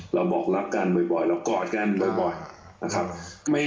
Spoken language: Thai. เราบอกรักกันบ่อยเรากอดกันบ่อยนะครับ